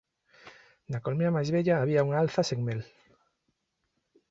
Na colmea máis vella había unha alza sen mel